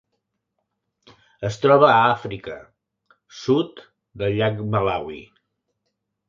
Es troba a Àfrica: sud del llac Malawi.